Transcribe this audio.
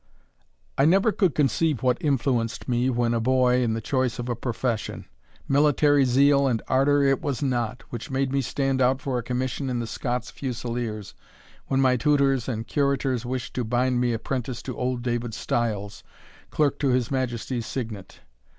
I never could conceive what influenced me, when a boy, in the choice of a profession. Military zeal and ardour it was not, which made me stand out for a commission in the Scots Fusiliers, when my tutors and curators wished to bind me apprentice to old David Stiles, Clerk to his Majesty's Signet.